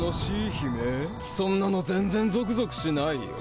そんなの全ぜんゾクゾクしないよ。